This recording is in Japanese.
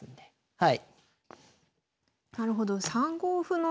はい。